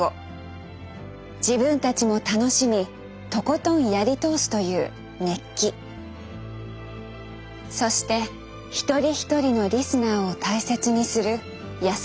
自分たちも楽しみとことんやり通すという熱気そしてひとりひとりのリスナーを大切にする優しさがありました。